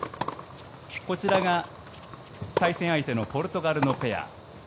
こちらが対戦相手のポルトガルのペア。